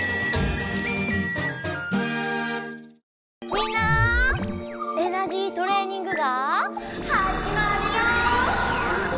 みんな「エナジートレーニング」がはじまるよ！